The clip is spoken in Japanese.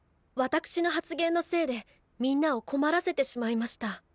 わたくしの発言のせいでみんなを困らせてしまいました。